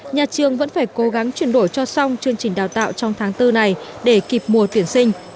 nhà trường vẫn phải cố gắng chuyển đổi cho xong chương trình đào tạo trong tháng bốn này để kịp mùa tuyển sinh